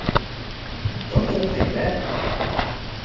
咁公平咩?